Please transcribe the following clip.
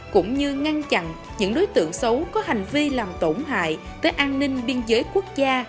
cũng như ngăn chặn những đối tượng xấu có hành vi làm tổn hại tới an ninh biên giới quốc gia